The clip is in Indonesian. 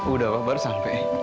udah papa baru sampai